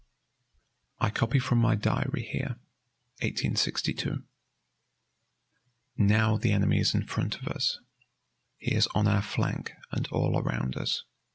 I copy from my diary here (1862): "Now the enemy is in front of us. He is on our flank and all around us.